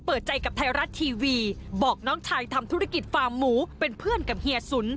เปิดใจกับไทยรัฐทีวีบอกน้องชายทำธุรกิจฟาร์มหมูเป็นเพื่อนกับเฮียสุน